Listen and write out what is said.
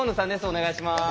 お願いします。